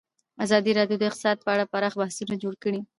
ازادي راډیو د اقتصاد په اړه پراخ بحثونه جوړ کړي.